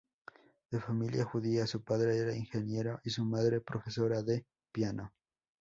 De familia judía, su padre era ingeniero y su madre profesora de piano.